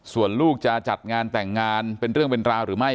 ส่วนลูกจะจัดงานแต่งงานเป็นเรื่องเป็นราวหรือไม่